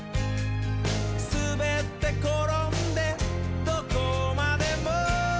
「すべってころんでどこまでも」